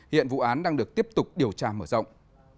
hiện vụ án đang được tiếp tục điều tra mở rộng